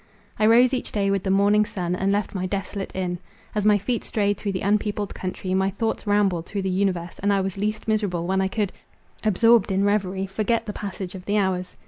I rose each day with the morning sun, and left my desolate inn. As my feet strayed through the unpeopled country, my thoughts rambled through the universe, and I was least miserable when I could, absorbed in reverie, forget the passage of the hours.